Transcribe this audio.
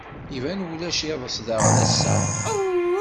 Iban ulac iḍes daɣen ass-a.